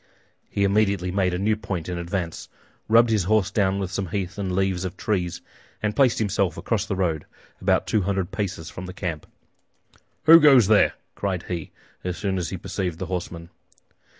He immediately made a new point in advance, rubbed his horse down with some heath and leaves of trees, and placed himself across the road, about two hundred paces from the camp. "Who goes there?" cried he, as soon as he perceived the horsemen.